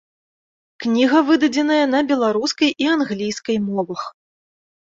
Кніга выдадзеная на беларускай і англійскай мовах.